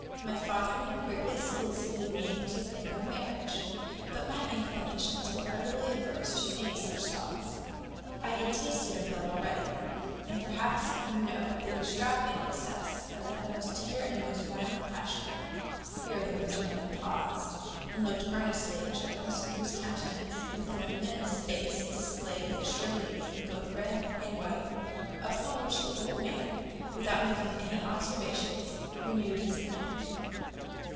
My father now greatly sollicited me to think of marriage; but my inclinations were utterly averse to any such thoughts. I had tasted of love already, and perhaps you know the extravagant excesses of that most tender and most violent passion." Here the old gentleman paused, and looked earnestly at Jones; whose countenance, within a minute's space, displayed the extremities of both red and white. Upon which the old man, without making any observations, renewed his narrative.